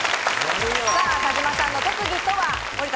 田島さんの特技とは？